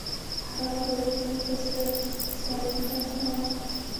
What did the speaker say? هغه وخت دی د شپږم پوځ سره ستالینګراډ ته روان و